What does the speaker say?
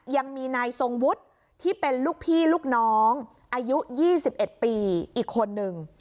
ยังมีนายทรงวุฒิที่เป็นลูกพี่ลูกน้องอายุ๒๑ปีอีกคนนึง